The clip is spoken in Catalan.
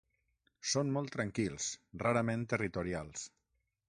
Són molt tranquils, rarament territorials.